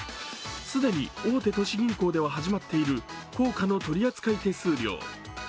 既に大手都市銀行では始まっている硬貨の取り扱い手数料。